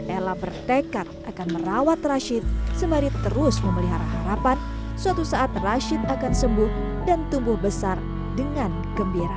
ella bertekad akan merawat rashid sembari terus memelihara harapan suatu saat rashid akan sembuh dan tumbuh besar dengan gembira